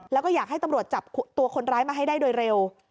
แล้วก็อยากให้ตำรวจจับตัวคนร้ายมาให้ได้โดยเร็ว